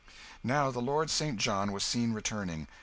Now the Lord St. John was seen returning.